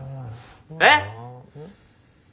えっ？